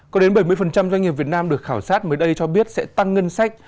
có đến bảy mươi doanh nghiệp việt nam được khảo sát mới đây cho biết sẽ tăng ngân sách